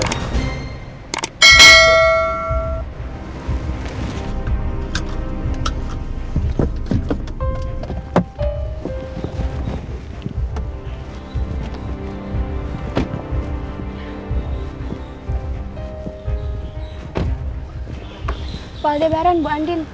pak aldebaran bu andin